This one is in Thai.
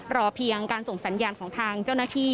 รอเพียงการส่งสัญญาณของทางเจ้าหน้าที่